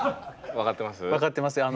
分かってます？